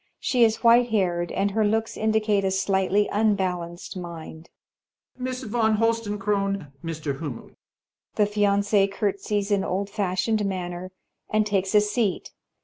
She is white haired, and her looks indicate a slighUy unbalanced mind. Colonel. Miss von Holstein Kron — Mr. Hummel. The Fiancee curtseys in old fashioned manner and takes a seat.